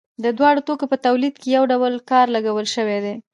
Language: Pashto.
د دواړو توکو په تولید یو ډول کار لګول شوی دی